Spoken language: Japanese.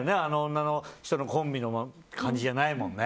女の人のコンビの感じじゃないもんね。